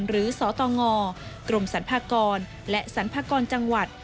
สตงกรมสรรพากรและสรรพากรจังหวัด